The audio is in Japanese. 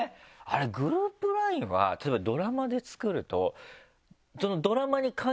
グループＬＩＮＥは例えばドラマで作ると。